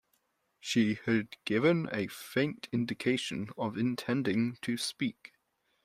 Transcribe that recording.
She had given a faint indication of intending to speak.